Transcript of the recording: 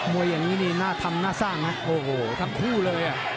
วยอย่างนี้นี่น่าทำน่าสร้างนะโอ้โหทั้งคู่เลยอ่ะ